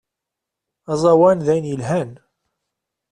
Azawan dayen yelhan.